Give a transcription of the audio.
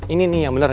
ini nih yang bener